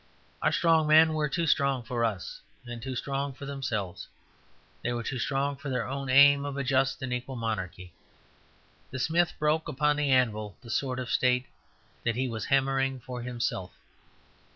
Our strong men were too strong for us, and too strong for themselves. They were too strong for their own aim of a just and equal monarchy. The smith broke upon the anvil the sword of state that he was hammering for himself.